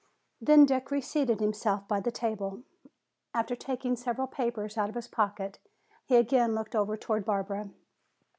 Then Dick reseated himself by the tea table. After taking several papers out of his pocket he again looked over toward Barbara.